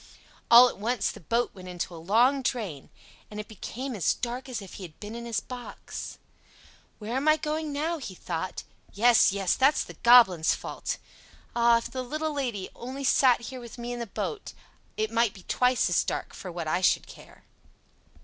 All at once the boat went into a long drain, and it became as dark as if he had been in his box. "Where am I going now?" he thought. "Yes, yes, that's the Goblin's fault. Ah! if the little Lady only sat here with me in the boat, it might be twice as dark for what I should care."